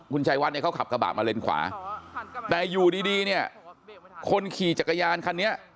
คุณชัยวัดเนี่ยเขาขับกระบะมาเลนขวาแต่อยู่ดีเนี่ยคนขี่จักรยานคันนี้